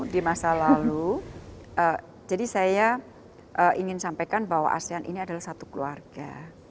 di masa lalu jadi saya ingin sampaikan bahwa asean ini adalah satu keluarga